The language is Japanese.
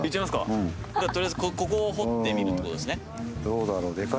とりあえず、ここを掘ってみるってことですね。